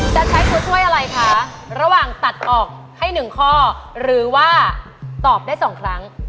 จะใช้ตัวช่วยอะไรคะระหว่างตัดออกให้๑ข้อหรือว่าตอบได้๒ครั้ง